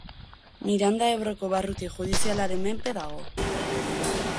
Miranda Ebroko barruti judizialaren menpe dago.